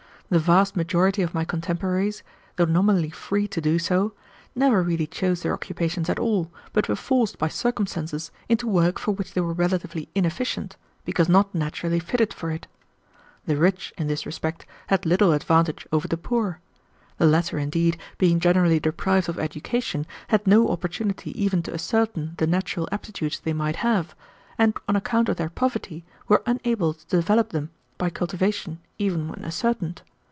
The vast majority of my contemporaries, though nominally free to do so, never really chose their occupations at all, but were forced by circumstances into work for which they were relatively inefficient, because not naturally fitted for it. The rich, in this respect, had little advantage over the poor. The latter, indeed, being generally deprived of education, had no opportunity even to ascertain the natural aptitudes they might have, and on account of their poverty were unable to develop them by cultivation even when ascertained.